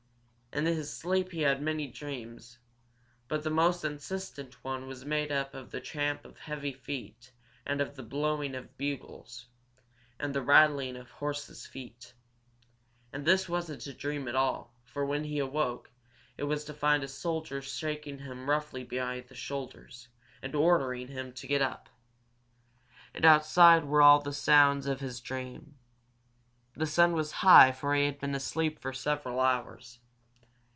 In his sleep he had many dreams, but the most insistent one was made up of the tramp of heavy feet and the blowing of bugles and the rattling of horses' feet. And this wasn't a dream at all, for when he awoke it was to find a soldier shaking him roughly by the shoulders, and ordering him to get up. And outside were all the sounds of his dream. The sun was high for he had been asleep for several hours.